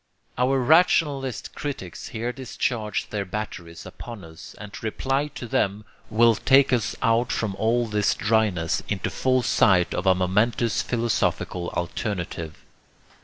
Our rationalist critics here discharge their batteries upon us, and to reply to them will take us out from all this dryness into full sight of a momentous philosophical alternative.